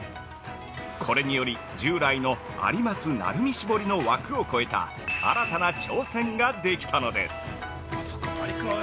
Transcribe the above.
これにより従来の「有松・鳴海絞り」の枠を超えた新たな挑戦ができたのです。